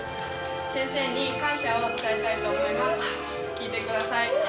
聴いてくださいえ